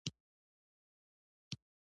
وړاندې ځو، خو تلوار ښه نه دی، ډوډۍ خورئ.